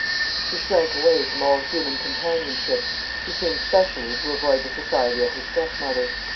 She shrank away from all human companionship; she seemed specially to avoid the society of her stepmother.